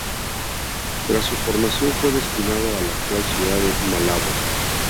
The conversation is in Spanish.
Tras su formación, fue destinado a la actual ciudad de Malabo.